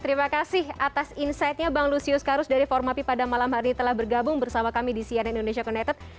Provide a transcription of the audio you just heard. terima kasih atas insightnya bang lusius karus dari formapi pada malam hari ini telah bergabung bersama kami di cnn indonesia connected